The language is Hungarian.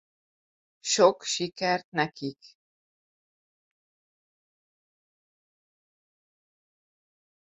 Sok sikert nekik!